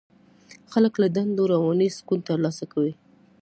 خلک له دندو رواني سکون ترلاسه کوي.